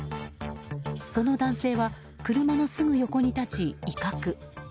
その男性は車のすぐ横に立ち威嚇。